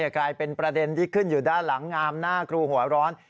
กลายเป็นประเด็นที่ขึ้นอยู่ด้านหลังงามหน้าครูหัวร้อน